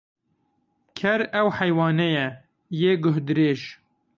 Ker ew heywane ye, yê guh dirêj